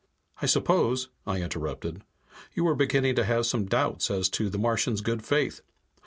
"I suppose," I interrupted, "you were beginning to have some doubts as to the Martian's good faith?